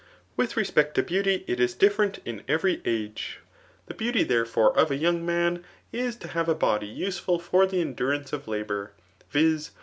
With respect to beauty it is different in every age. The beauty, therefore, of a young man is to have a body iisefttlibr the endurance of labour, viz.